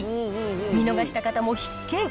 見逃した方も必見。